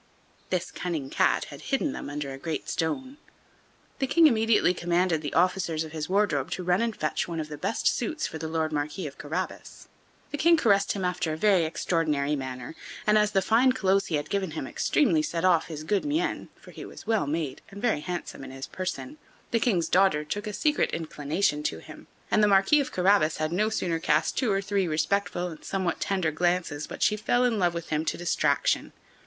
This cunning Cat had hidden them under a great stone. The King immediately commanded the officers of his wardrobe to run and fetch one of his best suits for the Lord Marquis of Carabas. The King caressed him after a very extraordinary manner, and as the fine clothes he had given him extremely set off his good mien (for he was well made and very handsome in his person), the King's daughter took a secret inclination to him, and the Marquis of Carabas had no sooner cast two or three respectful and somewhat tender glances but she fell in love with him to distraction.